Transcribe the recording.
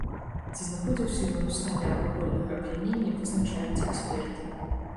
Ці знаходзіўся ён у стане алкагольнага ап'янення, вызначаюць эксперты.